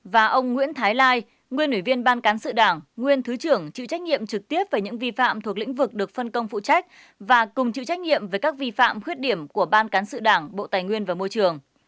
và ông nguyễn thái lai nguyên ủy viên ban cán sự đảng nguyên thứ trưởng chịu trách nhiệm trực tiếp về những vi phạm thuộc lĩnh vực được phân công phụ trách và cùng chịu trách nhiệm về các vi phạm khuyết điểm của ban cán sự đảng bộ tài nguyên và môi trường